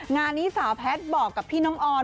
งานนี้สาวแพทย์บอกกับพี่น้องออน